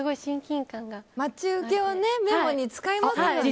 待ち受けをメモに使いますよね。